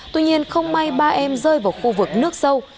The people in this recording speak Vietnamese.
tuy nhiên không may ba em rơi vào khu vực nước sâu